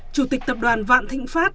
chủ tịch tập đoàn vạn thịnh pháp